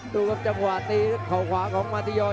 ดูครับจังหวะตีเข่าขวาของมาติยอน